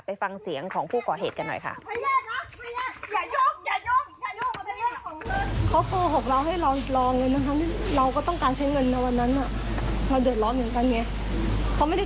ไปฟังเสียงของผู้ก่อเหตุกันหน่อยค่ะ